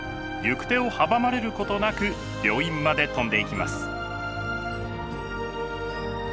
行く手を阻まれることなく病院まで飛んでいきます。